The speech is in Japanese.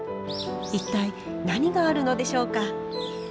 一体何があるのでしょうか？